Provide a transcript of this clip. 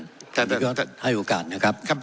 เราก็ให้โอกาสนะครับ